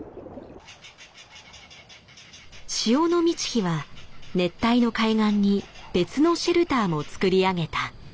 潮の満ち干は熱帯の海岸に別のシェルターもつくり上げた。